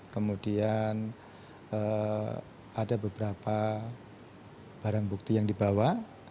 kemudian ada beberapa barang bukti yang dibawa